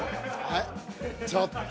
ちょっと。